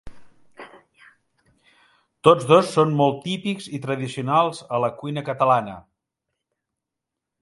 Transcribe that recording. Tots dos són molt típics i tradicionals a la cuina catalana.